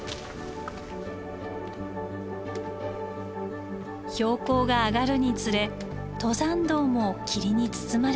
標高が上がるにつれ登山道も霧に包まれてきました。